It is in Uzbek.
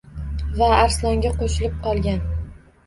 Va arslonga qo‘shilib qolgan.